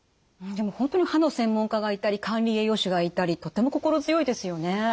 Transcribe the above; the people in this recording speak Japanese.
でも本当に歯の専門家がいたり管理栄養士がいたりとっても心強いですよね。